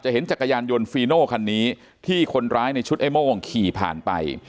เห็นจักรยานยนต์ฟีโน่คันนี้ที่คนร้ายในชุดไอ้โม่งขี่ผ่านไป